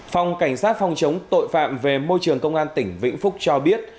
phòng cảnh sát phòng chống tội phạm về môi trường công an tỉnh vĩnh phúc cho biết